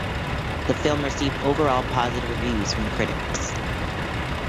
The film received overall positive reviews from critics.